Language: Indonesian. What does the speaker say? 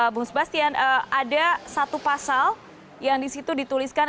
bung sebastian ada satu pasal yang di situ dituliskan